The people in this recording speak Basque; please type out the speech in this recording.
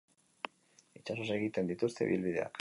Itsasoz egiten dituzte ibilbideak.